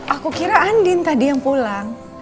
aku kira andin tadi yang pulang